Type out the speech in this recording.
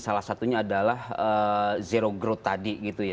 salah satunya adalah zero growth tadi gitu ya